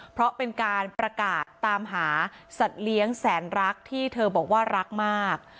เพราะเป็นการประกาศตามหาสัตว์เลี้ยงแสนรักที่เธอบอกว่ารักมาก